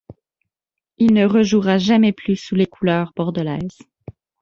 Il ne rejouera jamais plus sous les couleurs bordelaises.